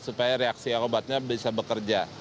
supaya reaksi obatnya bisa bekerja